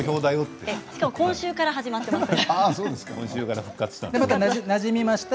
しかも今週から始まっています。